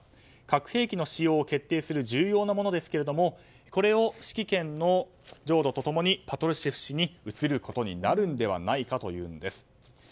核兵器の使用を決定する重要なものですけどもこれを指揮権の譲渡と共にパトルシェフ氏に移ることになるんではないかというんです。